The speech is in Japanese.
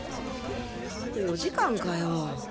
あと４時間かよ。